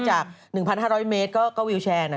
จาก๑๕๐๐เมตรก็วิวแชร์นะ